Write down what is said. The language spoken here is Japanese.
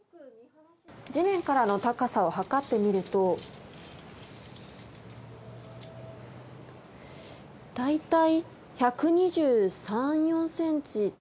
地面からの高さを測ってみると大体１２３１２４ｃｍ。